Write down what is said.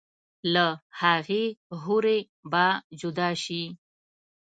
لۀ هغې حورې به جدا شي